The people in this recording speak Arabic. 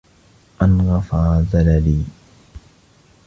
مَنْ غَفَرَ زَلَلِي